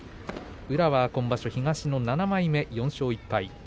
宇良は今回東の７枚目４勝１敗です。